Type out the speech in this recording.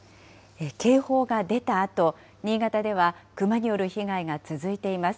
警報が出たあと、新潟ではクマによる被害が続いています。